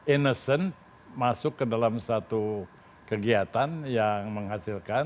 ineson masuk ke dalam satu kegiatan yang menghasilkan